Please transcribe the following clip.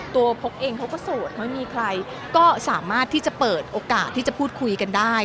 พกเองเขาก็โสดไม่มีใครก็สามารถที่จะเปิดโอกาสที่จะพูดคุยกันได้